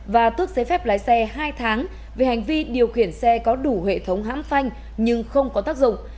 và tước giấy phép lái xe hai tháng vì hành vi điều khiển xe có đủ hệ thống hãm phanh nhưng không có tác dụng